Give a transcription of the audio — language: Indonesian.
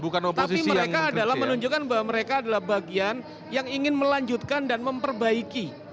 tapi mereka adalah menunjukkan bahwa mereka adalah bagian yang ingin melanjutkan dan memperbaiki